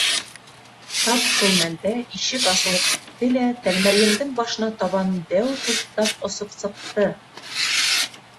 Тап шул мәлдә ишек асылып китте лә Тәлмәрйендең башына табан дәү туҫтаҡ осоп сыҡты.